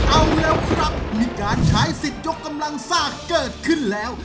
เอาแล้วครับมีการใช้สิทธิ์ยกกำลังซ่าเกิดขึ้นแล้ว